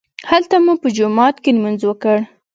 هلته مو په جومات کې لمونځ وکړ.